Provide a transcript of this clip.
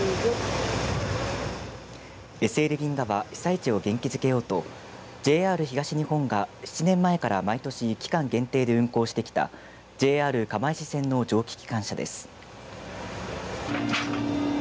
ＳＬ銀河は被災地を元気づけようとＪＲ東日本が７年前から毎年期間限定で運行してきたＪＲ釜石線の蒸気機関車です。